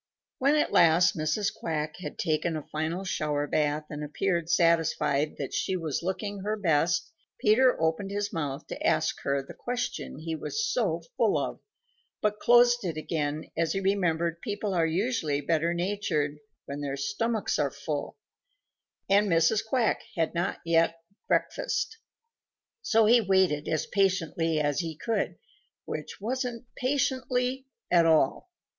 When at last Mrs. Quack had taken a final shower bath and appeared satisfied that she was looking her best, Peter opened his mouth to ask her the questions he was so full of, but closed it again as he remembered people are usually better natured when their stomachs are full, and Mrs. Quack had not yet breakfasted. So he waited as patiently as he could, which wasn't patiently at all.